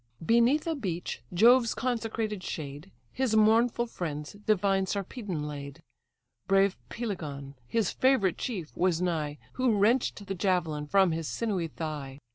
Beneath a beech, Jove's consecrated shade, His mournful friends divine Sarpedon laid: Brave Pelagon, his favourite chief, was nigh, Who wrench'd the javelin from his sinewy thigh.